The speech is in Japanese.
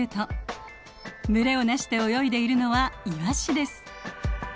群れを成して泳いでいるのはイワシです。